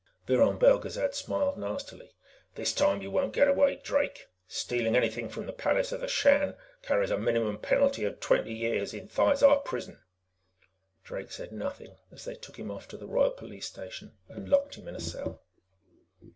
Viron Belgezad smiled nastily. "This time you won't get away, Drake! Stealing anything from the palace of the Shan carries a minimum penalty of twenty years in Thizar Prison." Drake said nothing as they took him off to the Royal Police Station and locked him in a cell.